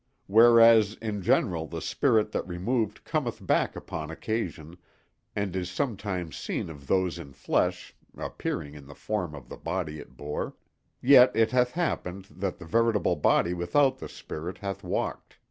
Whereas in general the spirit that removed cometh back upon occasion, and is sometimes seen of those in flesh (appearing in the form of the body it bore) yet it hath happened that the veritable body without the spirit hath walked.